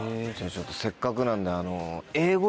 せっかくなんで。